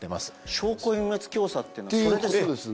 証拠隠滅教唆っていうのはそれですか？